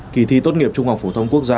kỳ thi tốt nghiệp trung học phổ thông quốc gia